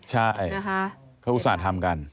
ใช่เขาอุตส่าห์ทำกัน